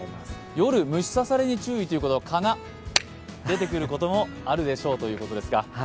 夜、虫さされに注意ということは蚊が出てくることもあるでしょうということなんですが。